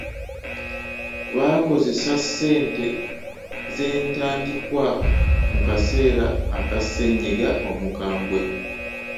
Baakozesa ssente z'entandikwa mu kaseera aka ssenyiga omukambwe.